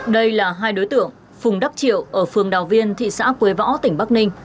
đây là hai đối tượng phùng đắc triệu ở phường đào viên thị xã quế võ tỉnh bắc ninh